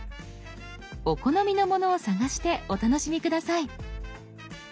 お好みのものを探してお楽しみ下さい。